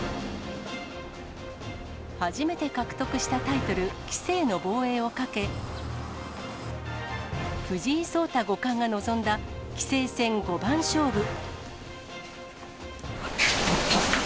初めて獲得したタイトル、棋聖の防衛をかけ、藤井聡太五冠が臨んだ棋聖戦五番勝負。